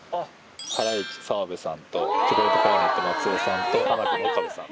ハライチ・澤部さんとチョコレートプラネット・松尾さんとハナコの岡部さん。